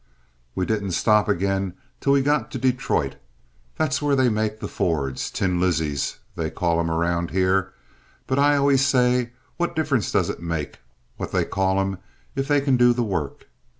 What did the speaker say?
"We didn't stop agin till we got to Detroit. That's where they make the Fords, Tin Lizzies, they call 'em around here. But I always say, What difference does it make what they call 'em if they can do the work?